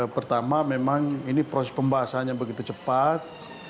pertama memang ini proses pembahasannya begitu cepat